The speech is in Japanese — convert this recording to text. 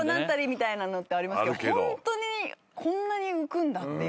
みたいなのってありますけどホントにこんなに浮くんだっていう。